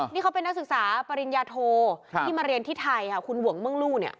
นี่เขาเป็นนักศึกษาปริญญาโทที่มาเรียนที่ไทยค่ะคุณหวังเมืองลู่เนี่ย